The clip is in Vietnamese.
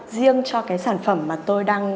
riêng cho cái sản phẩm mà tôi đang